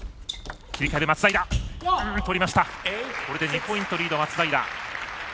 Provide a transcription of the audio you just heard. これで２ポイントリード、松平。